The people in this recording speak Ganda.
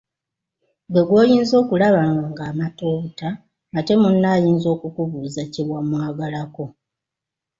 Ggwe gw'oyinza okulaba ng'amata obuta ate munno ayinza okukubuuza kye wamwagalako.